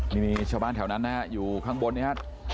นี่มีชาวบ้านแถวนั้นนะฮะอยู่ข้างบนนะครับ